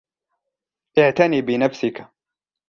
اعتنِ بنفسك.